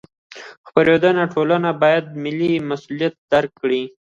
خپرندویه ټولنې باید ملي مسوولیت درک کړي.